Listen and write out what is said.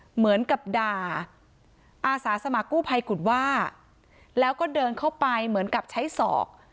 เหมือนกับด่าอาสาสมัครกู้ภัยกุฎว่าแล้วก็เดินเข้าไปเหมือนกับใช้ศอก